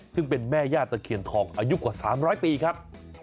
ซึ่งเป็นแม่ย่าตะเคียนทองอายุกว่า๓๐๐ปีครับ